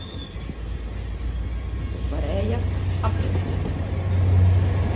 Bet varēja apvemties.